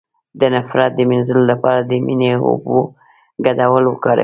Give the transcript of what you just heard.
د نفرت د مینځلو لپاره د مینې او اوبو ګډول وکاروئ